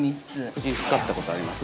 ◆夫人、使ったことあります？